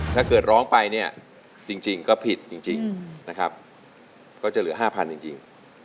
ถ้าเกิดร้องไปเนี่ยจริงก็ผิดจริงนะครับก็จะเหลือ๕๐๐จริง